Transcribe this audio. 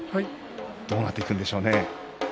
どうなっていくんでしょうね。